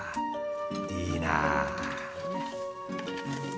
いいなあ。